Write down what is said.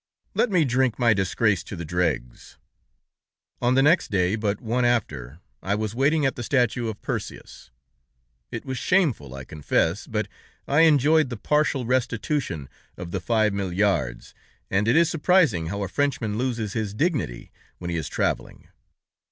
"Let me drink my disgrace to the dregs! On the next day but one after, I was waiting at the statue of Perseus. It was shameful, I confess, but I enjoyed the partial restitution of the five milliards, and it is surprising how a Frenchman loses his dignity, when he is traveling.